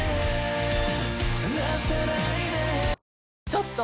ちょっと！